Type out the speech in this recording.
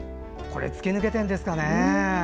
突き抜けてるんですかね。